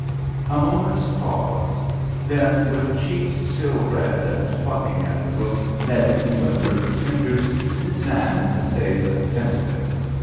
A moment's pause. Then, with cheeks still red, and plucking at the rope netting with nervous fingers, Miss Nan essays a tentative.